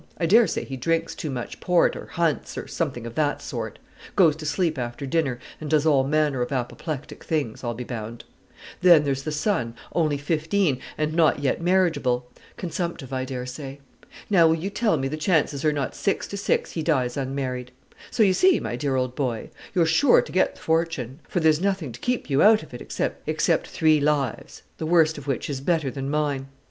I dare say he drinks too much port, or hunts, or something of that sort; goes to sleep after dinner, and does all manner of apoplectic things, I'll be bound. Then there's the son, only fifteen, and not yet marriageable; consumptive, I dare say. Now, will you tell me the chances are not six to six he dies unmarried? So you see, my dear old boy, you're sure to get the fortune; for there's nothing to keep you out of it, except " "Except three lives, the worst of which is better than mine.